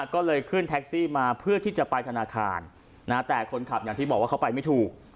ก็เลยขึ้นแท็กซี่มาเพื่อที่จะไปธนาคารแต่คนขับอย่างที่บอกว่าเขาไปไม่ถูก